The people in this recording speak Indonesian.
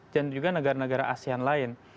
dan juga negara negara asean lain